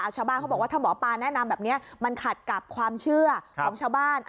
ชาวบ้านเขาบอกว่าถ้าหมอปลาแนะนำแบบนี้มันขัดกับความเชื่อของชาวบ้าน